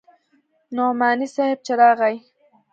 نعماني صاحب چې راغى.